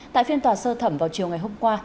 tại phiên tòa sơ thẩm vào chiều ngày hôm qua